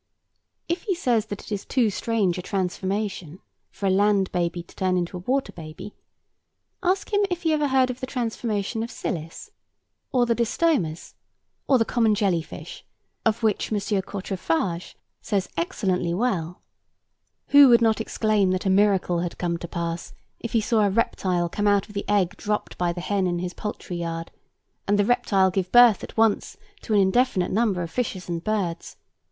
If he says that it is too strange a transformation for a land baby to turn into a water baby, ask him if he ever heard of the transformation of Syllis, or the Distomas, or the common jelly fish, of which M. Quatrefages says excellently well—"Who would not exclaim that a miracle had come to pass, if he saw a reptile come out of the egg dropped by the hen in his poultry yard, and the reptile give birth at once to an indefinite number of fishes and birds?